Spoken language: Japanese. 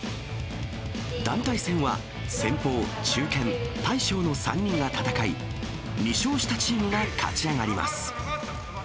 団体戦は先鋒、中堅、大将の３人が戦い、２勝したチームが勝ち上がります。